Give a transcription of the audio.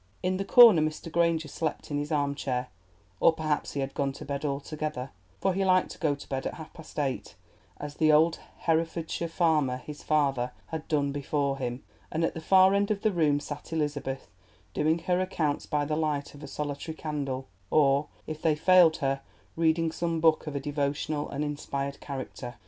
In the corner Mr. Granger slept in his armchair, or perhaps he had gone to bed altogether, for he liked to go to bed at half past eight, as the old Herefordshire farmer, his father, had done before him; and at the far end of the room sat Elizabeth, doing her accounts by the light of a solitary candle, or, if they failed her, reading some book of a devotional and inspired character.